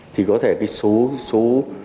thì có thể cái số số